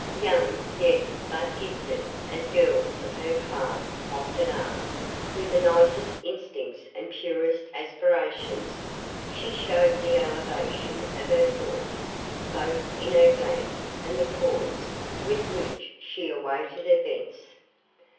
Young yet, but gifted, as girls of her class often are, with the nicest instincts and purest aspirations, she showed the elevation of her thoughts both in her glance and the poise with which she awaited events.